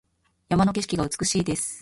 山の風景が美しいです。